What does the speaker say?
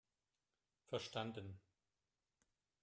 Verstanden!